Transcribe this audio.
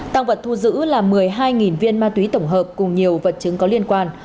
tăng vật thu giữ là một mươi hai viên ma túy tổng hợp cùng nhiều vật chứng có liên quan